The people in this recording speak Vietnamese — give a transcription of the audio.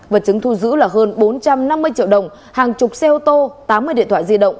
vật chứng thu giữ là hơn bốn trăm năm mươi triệu đồng hàng chục xe ô tô tám mươi điện thoại di động